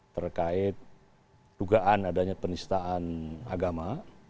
terkait dugaan adanya penistaan agama